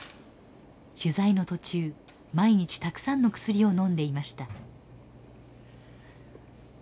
取材の途中毎日たくさんの薬をのんでいました。